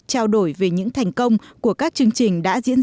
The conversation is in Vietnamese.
trao đổi về những thành công của các chương trình